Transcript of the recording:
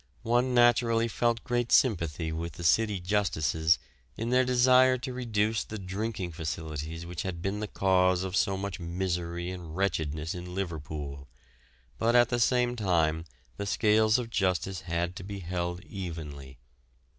One naturally felt great sympathy with the City Justices in their desire to reduce the drinking facilities which had been the cause of so much misery and wretchedness in Liverpool, but at the same time the scales of justice had to be held evenly.